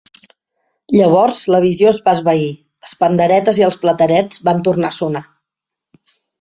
Llavors la visió es va esvair, les panderetes i els platerets van tornar a sonar.